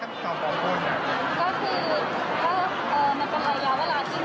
คุณผู้สามารถได้คิดคุณผู้สามารถได้คิด